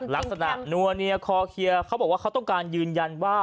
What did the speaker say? ลักษณะนัวเนียคอเคลียร์เขาบอกว่าเขาต้องการยืนยันว่า